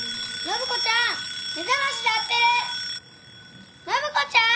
暢子ちゃん！